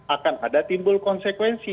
akan ada timbul konsekuensi